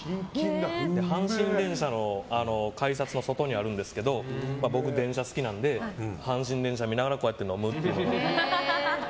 阪神電車の改札の外にあるんですけど僕、電車好きなので阪神電車見ながらこうやって飲むっていう。